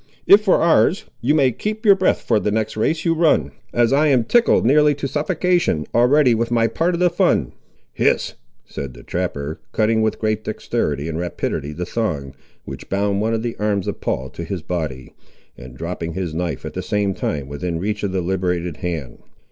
If for ours, you may keep your breath for the next race you run, as I am tickled nearly to suffocation, already, with my part of the fun." "Hist"—said the trapper, cutting with great dexterity and rapidity the thong, which bound one of the arms of Paul to his body, and dropping his knife at the same time within reach of the liberated hand.